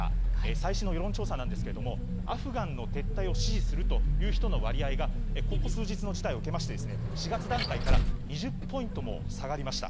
最新の世論調査ですがアフガンの撤退を支持する人の割合がここ数日の事態を受けまして４月段階から２０ポイントも下がりました。